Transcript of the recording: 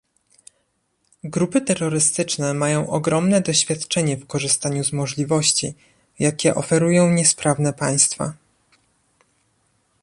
Grupy terrorystyczne mają ogromne doświadczenie w korzystaniu z możliwości, jakie oferują niesprawne państwa